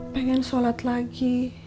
pengen sholat lagi